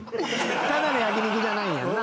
ただの焼き肉じゃないんやんな。